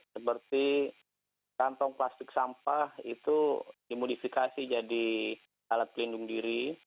seperti kantong plastik sampah itu dimodifikasi jadi alat pelindung diri